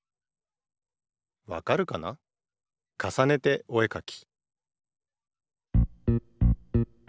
「わかるかな？かさねておえかき」